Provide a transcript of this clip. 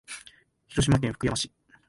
広島県福山市